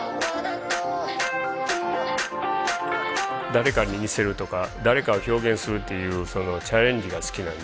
誰かに似せるとか誰かを表現するっていうそのチャレンジが好きなんで。